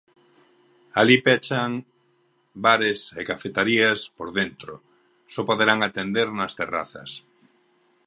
Alí pechan bares e cafeterías por dentro: só poderán atender nas terrazas.